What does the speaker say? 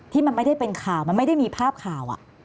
ที่มันไม่ได้เป็นข่าวมันไม่ได้มีภาพข่าว